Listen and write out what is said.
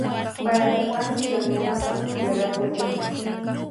Payqa ancha munakuq wiraquchan